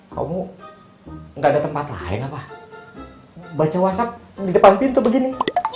kamu gak ada tempat lain apa baca whatsapp di depan pintu begini